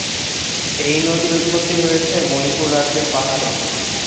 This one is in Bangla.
এই নদীর উৎপত্তি হয়েছে মণিপুর রাজ্যের পাহাড়ে।